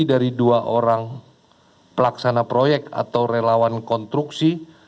dari dua orang pelaksana proyek atau relawan konstruksi